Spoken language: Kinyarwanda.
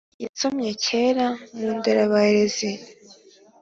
yasomye kera mu ' nderabarezi'